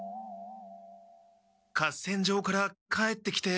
合戦場から帰ってきて。